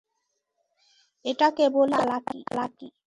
এটা কেবলই একটা চালাকি।